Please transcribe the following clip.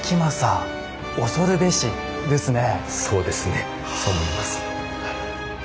そうですねそう思います。